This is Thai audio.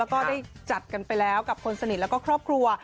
ก็ได้จัดกันไปแล้วกับคนสนิทแล้วก็ครอบครัว